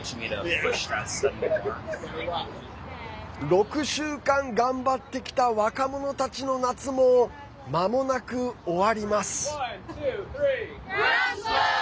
６週間、頑張ってきた若者たちの夏もまもなく終わります。